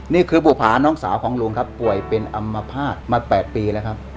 นี่คือบุภาน้องสาวของลุงครับป่วยเป็นอัมพาตมา๘ปีแล้วครับ